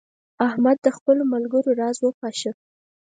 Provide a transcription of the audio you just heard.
احمد د خپلو ملګرو راز وپاشه.